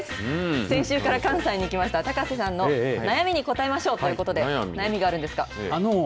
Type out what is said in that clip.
先週から関西に来ました高瀬さんの悩みに答えましょうということで何があるんですか。